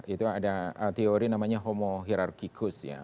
itu ada teori namanya homo hierarkikus ya